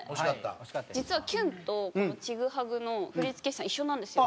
実は『キュン』とこの『チグハグ』の振付師さん一緒なんですよ。